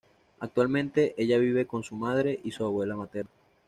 Actualmente ella vive con su madre y su abuela materna.